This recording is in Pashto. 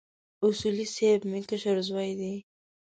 اصولي صیب مې کشر زوی دی.